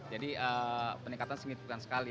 jadi peningkatan segitu sekali